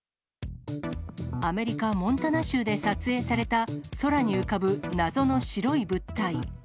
アメリカ・モンタナ州で撮影された、空に浮かぶ謎の白い物体。